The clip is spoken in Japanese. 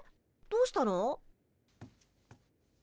どうしたの？